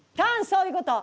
そういうこと。